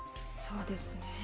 そうですね。